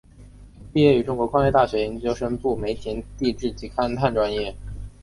毕业于中国矿业大学研究生部煤田地质及勘探专业。